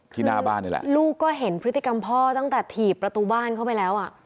คือลูกก็เห็นพฤติกรรมพ่อตั้งแต่ถีบประตูบ้านเข้าไปแล้ว